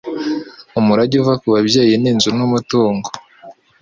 Umurage uva ku babyeyi ni inzu n’umutungo